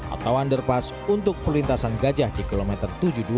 atau underpass untuk perlintasan gajah di kilometer tujuh puluh dua